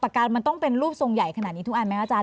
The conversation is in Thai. การมันต้องเป็นรูปทรงใหญ่ขนาดนี้ทุกอันไหมครับอาจาร